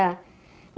akhirnya itu gak ada